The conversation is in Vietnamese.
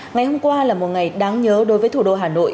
ngày hôm qua là một ngày đáng nhớ đối với thủ đô hà nội